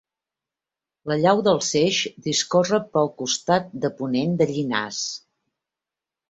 La llau del Seix discorre pel costat de ponent de Llinars.